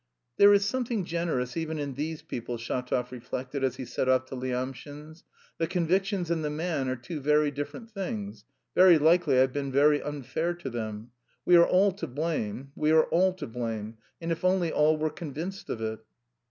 "There is something generous even in these people," Shatov reflected, as he set off to Lyamshin's. "The convictions and the man are two very different things, very likely I've been very unfair to them!... We are all to blame, we are all to blame... and if only all were convinced of it!"